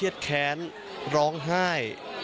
แค้นร้องไห้